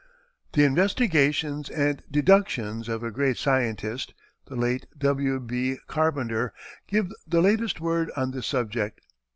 The investigations and deductions of a great scientist, the late W. B. Carpenter, give the latest word on this subject.